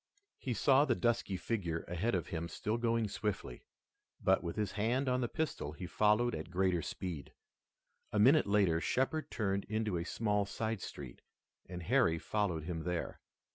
He saw the dusky figure ahead of him still going swiftly, but with his hand on the pistol he followed at greater speed. A minute later Shepard turned into a small side street, and Harry followed him there.